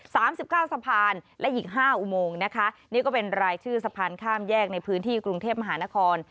สามสิบเก้าสะพานและอีกห้าอุโมงนะคะนี่ก็เป็นรายชื่อสะพานข้ามแยกในพื้นที่กรุงเทพมหานคร